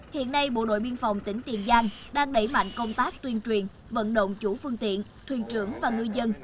hiện nay bộ đội biên phòng tỉnh tiền giang đang đẩy mạnh công tác tuyên truyền vận động chủ phương tiện thuyền trưởng và ngư dân